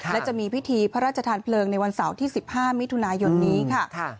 และจะมีพิธีพระราชทานเพลิงในวันเสาร์ที่๑๕มิถุนายนนี้ค่ะ